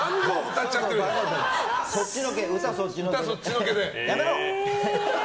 歌そっちのけで。